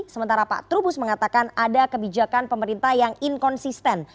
sementara pak trubus mengatakan ada kebijakan pemerintah yang inkonsisten